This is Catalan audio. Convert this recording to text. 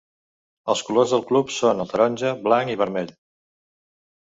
Els colors del club són el taronja, blanc i vermell.